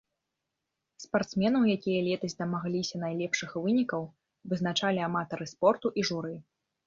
Спартсменаў, якія летась дамагліся найлепшых вынікаў, вызначалі аматары спорту і журы.